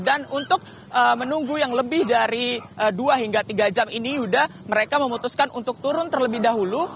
dan untuk menunggu yang lebih dari dua hingga tiga jam ini sudah mereka memutuskan untuk turun terlebih dahulu